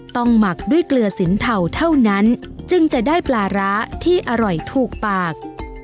หมักด้วยเกลือสินเทาเท่านั้นจึงจะได้ปลาร้าที่อร่อยถูกปาก